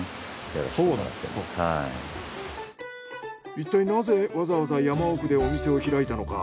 いったいなぜわざわざ山奥でお店を開いたのか？